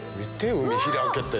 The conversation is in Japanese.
海開けて。